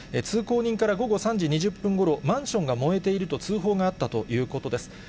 通行人から午後３時２０分ごろ、マンションが燃えていると通報があったということです。